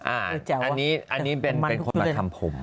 อันนี้เป็นคนมาทำผม